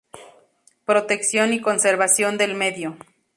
Protección y conservación del medio.